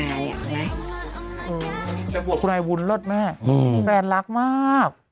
อืมแต่ว่าคุณไอวุ้นเลิศแม่แบรนด์รักมาก